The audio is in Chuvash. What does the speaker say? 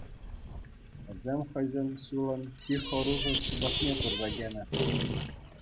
Вӗсем хӑйсен ҫулӗн чи хӑрушӑ сыпӑкне пырса кӗнӗ.